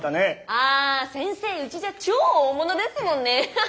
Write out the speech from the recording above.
あー先生うちじゃ超大物ですもんねーアハハ。